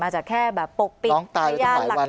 อาจจะแค่แบบปกปิดพยานหลักฐาน